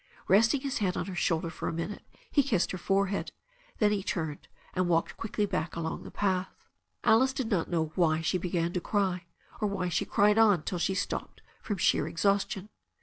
Resting his hand on her shoulder for a minute, he kissed her forehead. Then he turned and walked quickly back along the path. Alice did not know why she began to cry, or why she cried on till she stopped from sheer exhaustion.